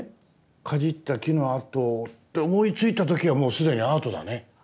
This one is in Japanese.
かじった木の跡って思いついた時はもう既にアートだね。